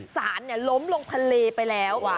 สารล้มลงทะเลไปแล้ว